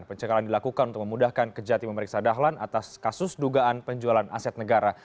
pencegahan dilakukan untuk memudahkan kejati memeriksa dahlan atas kasus dugaan penjualan aset negara